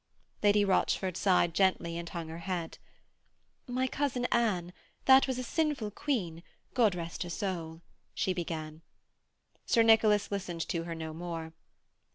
Lady Rochford sighed gently and hung her head. 'My cousin Anne, that was a sinful Queen, God rest her soul ...' she began. Sir Nicholas listened to her no more.